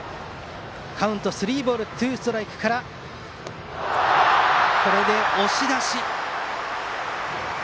カウント、スリーボールツーストライクから押し出し。